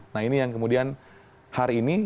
nah ini yang kemudian hari ini